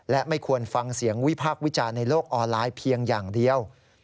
และไม่ควรฟังเสียงวิพากษ์วิจารณ์ในโลกออนไลน์เพียงอย่างเดียว